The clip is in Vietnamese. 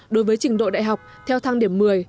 đối với trình độ đại học theo thang điểm một mươi